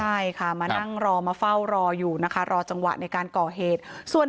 ใช่ค่ะมานั่งรอมาเฝ้ารออยู่นะคะรอจังหวะในการก่อเหตุ